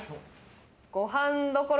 ごはん処膳